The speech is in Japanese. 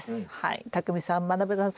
たくみさんまなぶさん